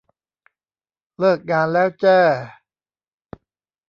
เลิกงานแล้วแจ้